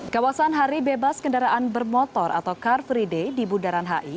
kawasan hari bebas kendaraan bermotor atau car free day di bundaran hi